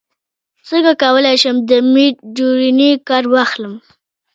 څنګه کولی شم د میډجورني کار واخلم